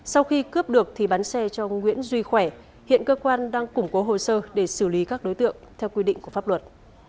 sau khi cướp được thì bán xe cho nguyễn duy khỏe hiện cơ quan đang củng cố hồ sơ để xử lý các đối tượng theo quy định của pháp luật